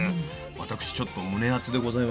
私ちょっと胸熱でございましたよ。